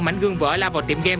mảnh gương vỡ la vào tiệm game